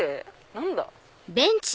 何だ？